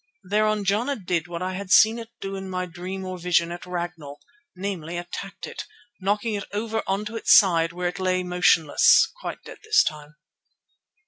Thereon Jana did what I had seen it do in my dream or vision at Ragnall, namely, attacked it, knocking it over on to its side, where it lay motionless; quite dead this time.